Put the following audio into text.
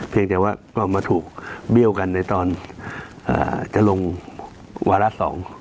เพียงแต่ว่าก็มาถูกเบี้ยวกันในตอนจะลงวาระ๒